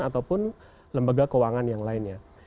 ataupun lembaga keuangan yang lainnya